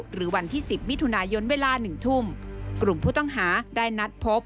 หรือวันที่สิบมิถุนายนเวลาหนึ่งทุ่มกลุ่มผู้ต้องหาได้นัดพบ